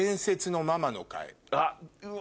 あっうわ！